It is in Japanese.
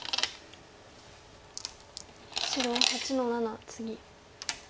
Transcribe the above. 白８の七ツギ。